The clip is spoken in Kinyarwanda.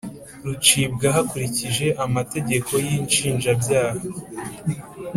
Rucibwa hakurikijwe amategeko y’inshinjabyaha